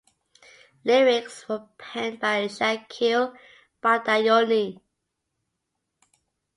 Lyrics were penned by Shakeel Badayuni.